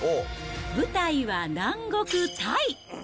舞台は南国、タイ。